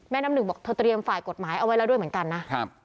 น้ำหนึ่งบอกเธอเตรียมฝ่ายกฎหมายเอาไว้แล้วด้วยเหมือนกันนะครับ